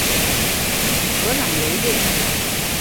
格朗维列。